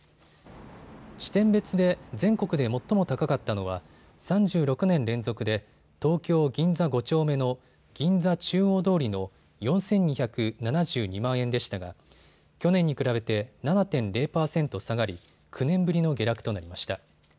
地点別で全国で最も高かったのは３６年連続で東京銀座５丁目の銀座中央通りの４２７２万円でしたが去年に比べて７．０％下がり９年ぶりの下落となりました。